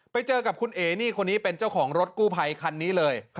ไปเจอกับคุณเอ๋นี่คนนี้เป็นเจ้าของรถกู้ภัยคันนี้เลย